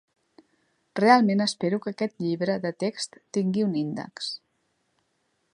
Realment espero que aquest llibre de text tingui un índex.